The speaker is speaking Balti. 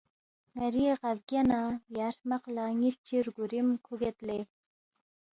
ن٘ری غا بگیا نہ یا ہرمق لہ نِ٘ت چی رگُورِیم کھُوگید لے،